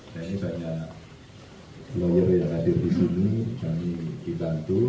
dan ini banyak lawyer yang hadir di sini yang dibantu